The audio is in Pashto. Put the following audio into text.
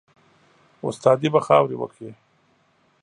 استادي به خاوري وکړې